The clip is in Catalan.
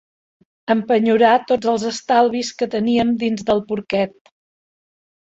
Empenyorar tots els estalvis que teníem dins del porquet.